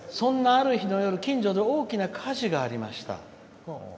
「そんなある日の夜近所で大きな火事がありました。